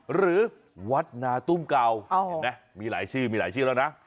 หรือวัดนาตุ้มเก่าเห็นมั้ยมีหลายชื่อแล้วนะ